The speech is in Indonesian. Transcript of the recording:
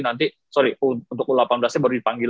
nanti sorry untuk u delapan belas nya baru dipanggil